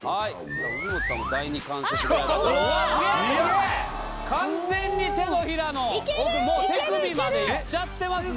藤本さんも第二関節ぐらい完全に手のひらのいける手首までいっちゃってますね